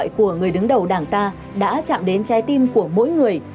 lời kêu của người đứng đầu đảng ta đã chạm đến trái tim của mỗi người